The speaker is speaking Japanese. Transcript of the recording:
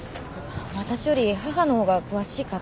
私より母の方が詳しいかな。